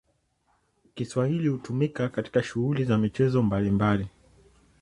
Kiswahili hutumika katika shughuli za michezo mbalimbali.